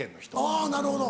あぁなるほど。